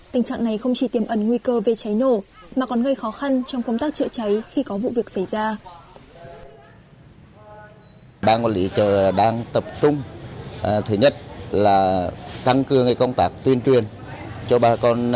tình trạng này không chỉ tiêm ẩn nguy cơ về cháy nổ mà còn gây khó khăn trong công tác chữa cháy khi có vụ việc xảy ra